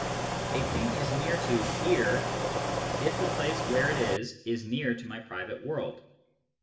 A thing is near to here " if the place where it is is near to my private world.